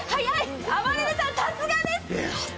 あばれるさん、さすがです。